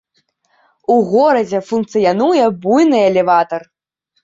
У горадзе функцыянуе буйны элеватар.